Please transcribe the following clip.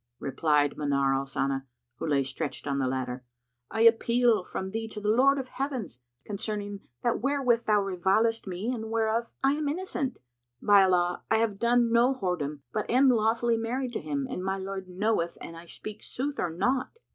Replied Manar al Sana who lay stretched on the ladder, "I appeal from thee to the Lord of the Heavens, concerning that wherewith thou revilest me and whereof I am innocent! By Allah, I have done no whoredom, but am lawfully married to him, and my Lord knoweth an I speak sooth or not!